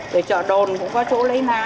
rồi chợ đồn cũng có chỗ lấy lá